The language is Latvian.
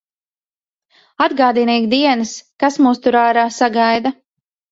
Atgādina ik dienas, kas mūs tur ārā sagaida.